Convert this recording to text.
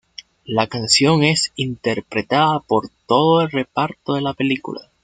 La canción es interpretada por todo el reparto de la película.